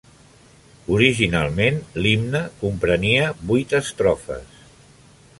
Originalment l'himne comprenia vuit estrofes.